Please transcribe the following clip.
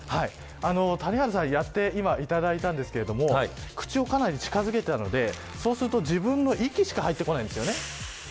谷原さんに今やっていただいたんですが口をかなり近付けたのでそうすると、自分の息しか入ってこないんですよね。